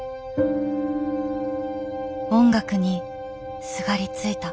音楽にすがりついた。